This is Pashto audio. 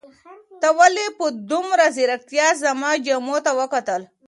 تا ولې په دومره ځیرکتیا زما جامو ته وکتل؟